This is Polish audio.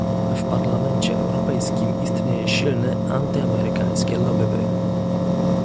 W Parlamencie Europejskim istnieje silne antyamerykańskie lobby